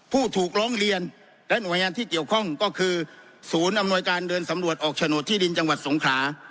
ผู้ถูกร้องเรียนและหน่วยงานที่เกี่ยวข้องก็คือศูนย์อำนวยการเดินสำรวจออกโฉนดที่ดินจังหวัดสงขลา